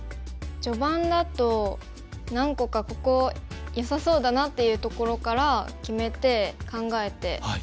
序盤だと何個かここよさそうだなっていうところから決めて考えて打ちます。